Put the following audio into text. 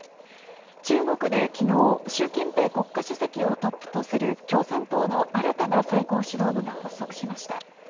中国で昨日、習近平国家主席をトップとする共産党の新たな最高指導部が発足しました。